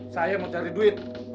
saya mau cari duit